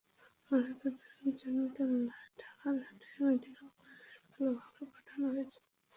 ময়নাতদন্তের জন্য তাঁর লাশ ঢাকা মেডিকেল কলেজ হাসপাতালের মর্গে পাঠানো হয়েছে।